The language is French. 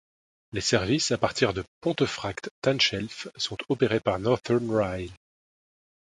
Les services à partir de Pontefract Tanshelf sont opérés par Northern Rail.